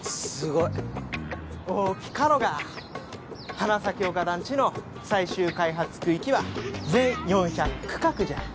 花咲丘団地の最終開発区域は全４００区画じゃ。